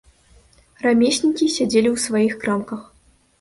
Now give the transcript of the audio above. Рамеснікі сядзелі ў сваіх крамках.